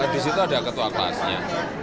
di situ ada ketua kelasnya